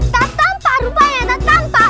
tak tampak rupanya tak tampak